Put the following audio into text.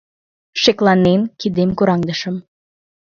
Шекланен, кидем кораҥдышым.